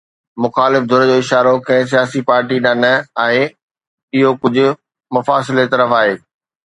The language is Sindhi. مخالف ڌر جو اشارو ڪنهن سياسي پارٽي ڏانهن نه آهي، اهو ڪجهه مفاصلي طرف آهي.